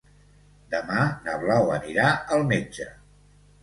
Demà na Blau anirà al metge.